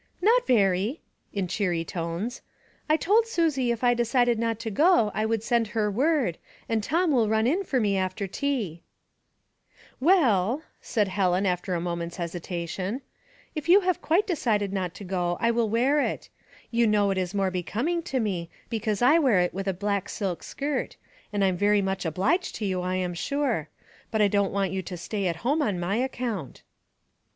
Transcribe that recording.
" Not very," in cheery tones. " I told Susie if I decided not to go I would send her word, and Tom will run in for me after tea." " Well," Helen said, after a moment's hesita tion, *'if you have quite decided not to go 1 will 46 Household Puzzles, wear it. You know it is more becoming to me, because I wear it with a black silk skirt ; and I'm very much obliged to you, I am sure ; but I don't want you to stay at home on my ac(^ount."